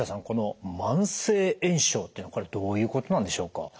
この慢性炎症っていうのはどういうことなんでしょうか？